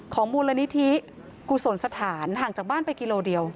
มูลนิธิกุศลสถานห่างจากบ้านไปกิโลเดียว